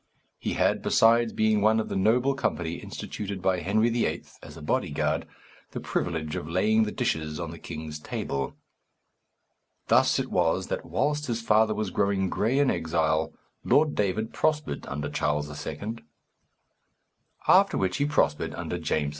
He had, besides being one of the noble company instituted by Henry VIII. as a bodyguard, the privilege of laying the dishes on the king's table. Thus it was that whilst his father was growing gray in exile, Lord David prospered under Charles II. After which he prospered under James II.